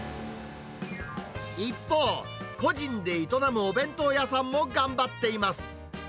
一方、個人で営むお弁当屋さんも頑張っています。